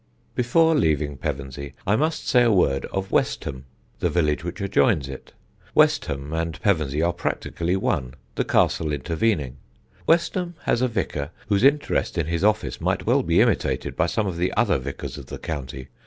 Before leaving Pevensey I must say a word of Westham, the village which adjoins it. Westham and Pevensey are practically one, the castle intervening. Westham has a vicar whose interest in his office might well be imitated by some of the other vicars of the county.